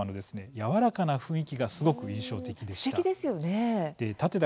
やわらかな雰囲気がすごく印象的でした。